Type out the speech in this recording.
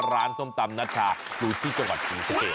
ร้านส้มตำนัดชาดูที่จังหวัดอินสุเก